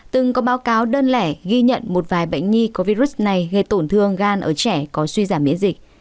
từng có báo cáo đơn lẻ ghi nhận một vài bệnh nhi có virus này gây tổn thương gan ở trẻ có suy giảm miễn dịch